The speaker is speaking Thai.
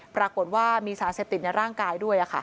ปรากฏว่ามีสารเสพติดในร่างกายด้วย